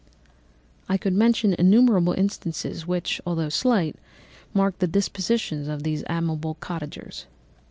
"I could mention innumerable instances which, although slight, marked the dispositions of these amiable cottagers.